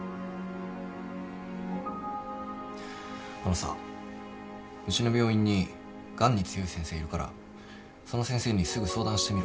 あのさうちの病院にがんに強い先生いるからその先生にすぐ相談してみるからさ